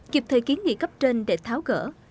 kịp thời kiến nghị cấp trên để tháo gỡ